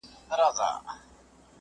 کونړ سيند د مستۍ نښه ده.